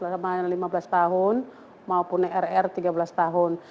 km lima belas tahun maupun rrr tiga belas tahun